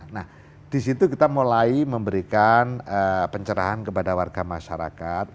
nah disitu kita mulai memberikan pencerahan kepada warga masyarakat